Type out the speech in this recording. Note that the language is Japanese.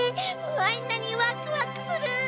なになにワクワクする！